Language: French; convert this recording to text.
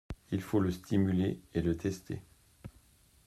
Il faut le stimuler et le tester.